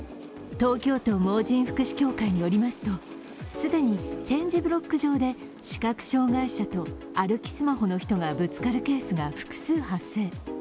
東京都盲人福祉協会によりますと、既に点字ブロック上で視覚障害者と歩きスマホの人がぶつかるケースが複数発生。